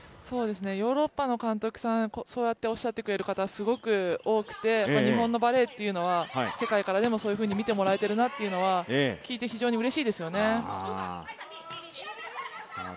ヨーロッパの監督さんはそうやっておっしゃってくれる方はすごく多くて日本のバレーっていうのは世界からでもそういうふうに見てもらえてるなというのは聞いて、非常にうれしいですよね。